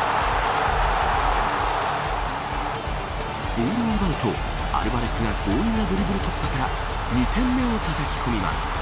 ボールを奪うとアルヴァレスが強引なドリブル突破から２点目をたたき込みます。